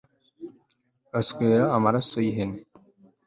Baswera amaraso yihene